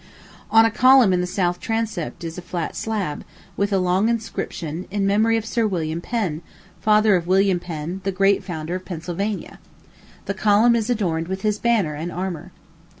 On a column in the south transept is a flat slab, with a long inscription, in memory of Sir William Penn, father of William Penn, the great founder of Pennsylvania. The column is adorned with his banner and armor.